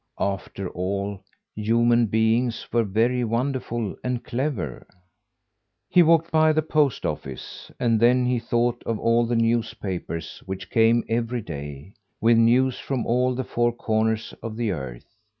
After all, human beings were very wonderful and clever. He walked by the post office, and then he thought of all the newspapers which came every day, with news from all the four corners of the earth.